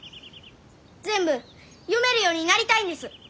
全部読めるようになりたいんです。